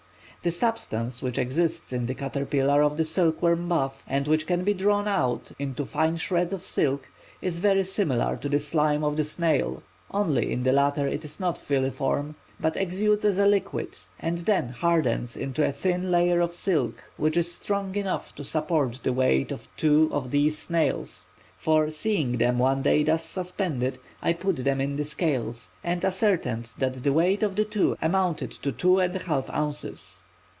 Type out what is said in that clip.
The substance which exists in the caterpillar of the silkworm moth, and which can be drawn out into fine shreds of silk, is very similar to the slime of the snail, only in the latter it is not filiform, but exudes as a liquid and then hardens into a thin layer of silk which is strong enough to support the weight of two of these snails, for, seeing them one day thus suspended, I put them in the scales and ascertained that the weight of the two amounted to 2 1/2 ounces.